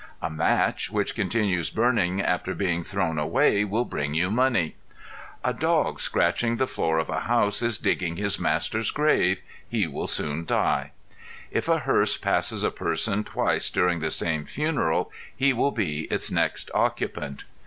A match which continues burning after being thrown away will bring you money. A dog scratching the floor of a house is digging his master's grave. He will soon die. If a hearse passes a person twice during the same funeral, he will be its next occupant.